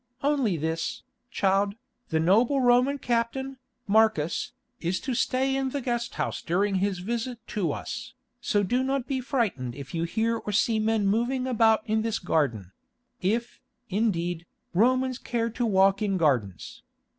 "Only this, child; the noble Roman captain, Marcus, is to stay in the guest house during his visit to us, so do not be frightened if you hear or see men moving about in this garden—If, indeed, Romans care to walk in gardens.